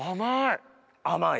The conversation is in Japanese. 甘い！